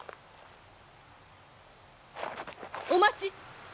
お待ち！